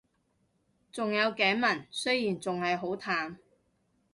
仲有頸紋，雖然仲係好淡